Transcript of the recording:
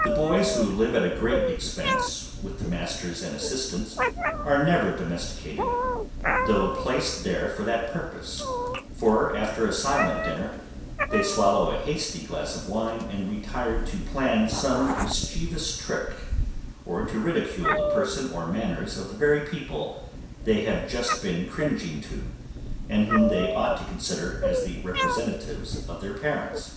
The boys, who live at a great expence with the masters and assistants, are never domesticated, though placed there for that purpose; for, after a silent dinner, they swallow a hasty glass of wine, and retire to plan some mischievous trick, or to ridicule the person or manners of the very people they have just been cringing to, and whom they ought to consider as the representatives of their parents.